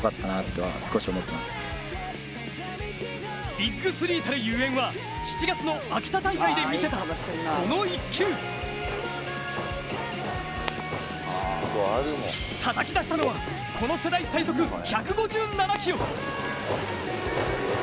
ＢＩＧ３たるゆえんは７月の秋田大会で見せたこの一球たたき出したのはこの世代最速、１５７キロ。